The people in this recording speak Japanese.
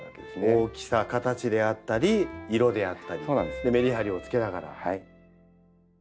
大きさ形であったり色であったりメリハリをつけながら。